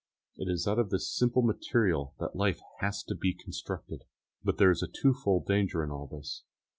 It is out of this simple material that life has to be constructed. But there is a twofold danger in all this.